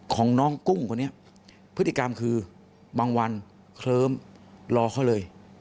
ของน้องกุ้งคนนี้พฤติกรรมคือบางวันเคลิ้มรอเขาเลย